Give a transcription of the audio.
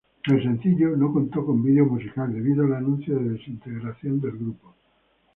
El sencillo no contó con video musical debido al anuncio de desintegración del grupo.